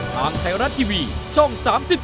ทางไทยรัฐทีวีช่อง๓๒